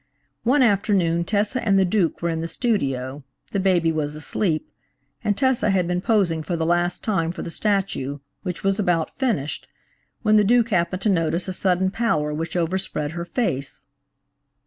One afternoon Tessa and the Duke were in the studio (the baby was asleep) and Tessa had been posing for the last time for the statue, which was about finished, when the Duke happened to notice a sudden pallor which overspread her face.